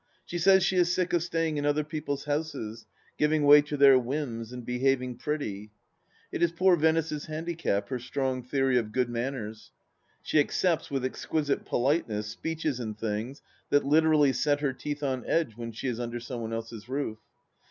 She says she is sick of staying in other people's houses, giving way to their whims and behaving " pretty." It is poor Venice's handicap, her strong theory of good manners. She accepts with exquisite politeness speeches and things that literally set her teeth on edge when she is under some one else's roof.